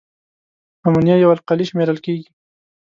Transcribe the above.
امونیا یوه القلي شمیرل کیږي.